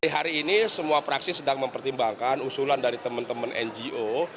hari ini semua fraksi sedang mempertimbangkan usulan dari teman teman ngo